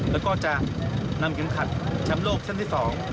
แล้วก็จะนำเงินขัดช้ำโลกเซ็นต์ที่สอง